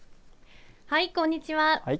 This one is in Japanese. はい、こんにちは。